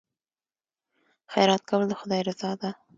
خیرات کول د خدای رضا ده.